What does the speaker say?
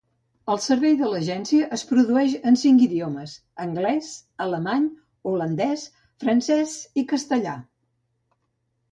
El servei de l'agència es produeix en cinc idiomes: anglès, alemany, holandès, francès i castellà.